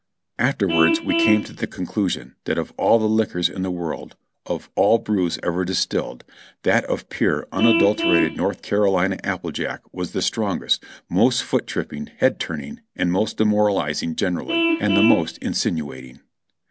Afterwards we came to the conclusion that of all the liquors in the world, of all brews ever distilled, that of pure, unadulterated North Carolina apple jack was the strongest, most foot tripping, head turning, and most demoralizing generally, and the most in sinuating.